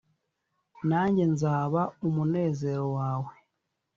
nange nzaba umunezero wawe,